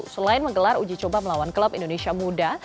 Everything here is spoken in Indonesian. selain menggelar uji coba melawan klub indonesia muda